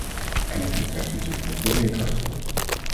En het betreft natuurlijk ook de leerkrachten.